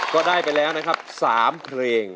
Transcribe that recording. ก็ได้ไปแล้วนะครับ๓เพลง